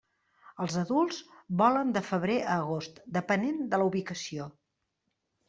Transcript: Els adults volen de febrer a agost, depenent de la ubicació.